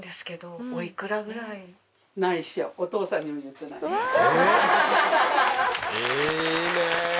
いいね！